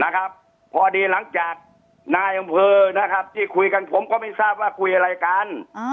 พอดีหลังจากนายอำเภอนะครับที่คุยกันผมก็ไม่ทราบว่าคุยอะไรกัน